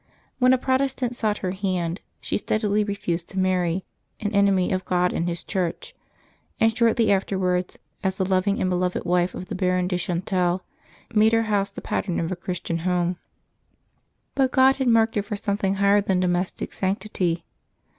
When a Protestant sought her hand, she steadily refused to marry " an enemy of God and His Church," and shortly afterwards, as the loving and beloved wife of the Baron de Chantal, made her house the pattern of a Chris tian home. But God had marked her for something higher than domestic sanctity.